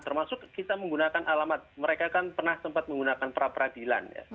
termasuk kita menggunakan alamat mereka kan pernah sempat menggunakan pra peradilan